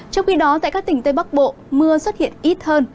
trong khi đó tại các tỉnh tây bắc bộ mưa xuất hiện ít hơn